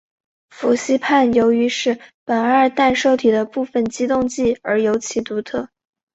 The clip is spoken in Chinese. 氟西泮由于是苯二氮受体的部分激动剂而尤其独特。